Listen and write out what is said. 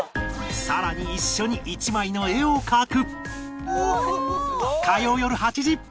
さらに一緒に１枚の絵を描く